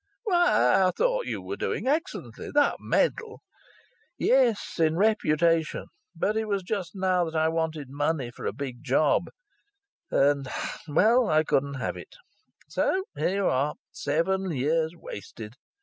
"Why! I thought you were doing excellently. That medal " "Yes. In reputation. But it was just now that I wanted money for a big job, and and well, I couldn't have it. So there you are. Seven years wasted.